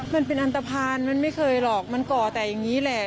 มันเป็นอันตภัณฑ์มันไม่เคยหรอกมันก่อแต่อย่างนี้แหละ